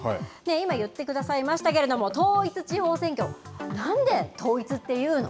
今言ってくださいましたけれども、統一地方選挙、なんで統一っていうの？